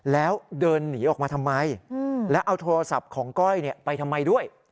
แล้วเดินหนีออกมาทำไมแล้วเอาโทรศัพท์ของก้อยไปทำไมด้วย